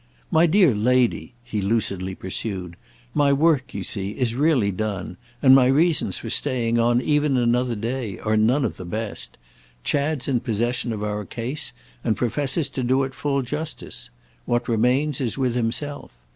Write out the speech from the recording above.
My dear lady," he lucidly pursued, "my work, you see, is really done, and my reasons for staying on even another day are none of the best. Chad's in possession of our case and professes to do it full justice. What remains is with himself.